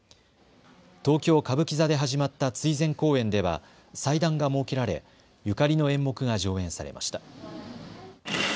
東京歌舞伎座で始まった追善公演では祭壇が設けられゆかりの演目が上演されました。